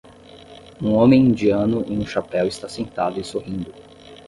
Um homem indiano em um chapéu está sentado e sorrindo.